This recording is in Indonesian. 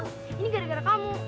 ini gara gara kamu